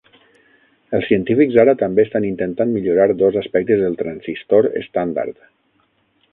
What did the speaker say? Els científics ara també estan intentant millorar dos aspectes del transistor estàndard.